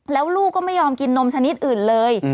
แล้วลูกก็ไม่ยอมกินนมชนิดอื่นเลย